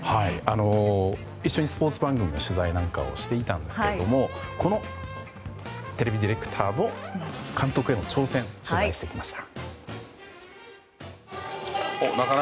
一緒にスポーツ番組の取材なんかをしていたんですがこのテレビディレクターの監督への挑戦を取材してきました。